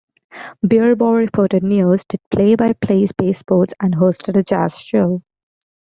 Bierbauer reported news, did play-by-play base sports and hosted a jazz show.